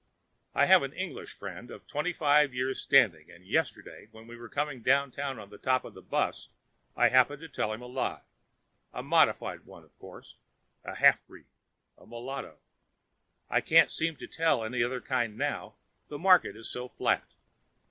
I have an English friend of twenty five years' standing, and yesterday when we were coming down town on top of the 'bus I happened to tell him a lie—a modified one, of course; a half breed, a mulatto; I can't seem to tell any other kind now, the market is so flat.